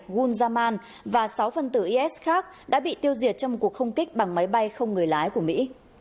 gul zaman và sáu phân tử is khác đã bị tiêu diệt trong một cuộc không kích bằng máy bay không người lái của mỹ